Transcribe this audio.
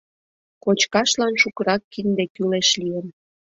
Кочкашлан шукырак кинде кӱлеш лийын.